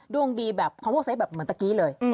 ดวงดีแบบคอมวกเซฟแบบเหมือนตะกี้เลย